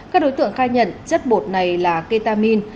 các đối tượng khai nhận chất bột này là ketamin